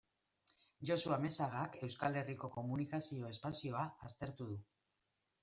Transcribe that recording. Josu Amezagak Euskal Herriko komunikazio espazioa aztertu du.